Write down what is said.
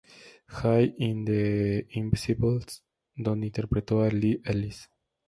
High" y en "The Invisibles" donde interpretó a Lee Ellis.